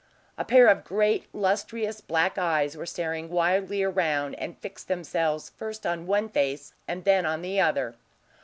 A pair of great, lustrous black eyes were staring wildly around, and fixed themselves first on one face and then on the other.